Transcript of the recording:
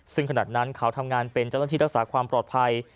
ซึ่งขณะนั้นเขาทำงานเป็นเจ้าหน้าที่รักษาความปลอดภัย